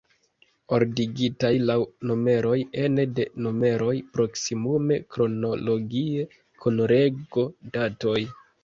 Ordigitaj laŭ numeroj; ene de numeroj proksimume kronologie; kun rego-datoj.